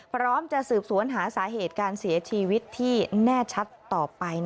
พร้อมจะสืบสวนหาสาเหตุการเสียชีวิตที่แน่ชัดต่อไป